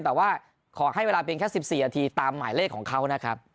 แต่ว่าขอให้เวลาเป็นแค่๑๔นาทีตามหมายเลขของเขานะครับ